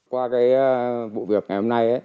qua cái vụ việc ngày hôm nay